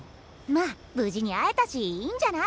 まあ無事に会えたしいいんじゃない？